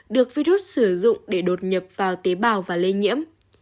được virus sử dụng để đột nhập vào tế bào và lây nhiễm